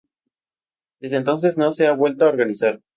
Desde entonces no se ha vuelto a organizar.